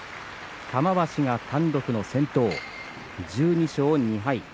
玉鷲が単独の先頭１２勝２敗。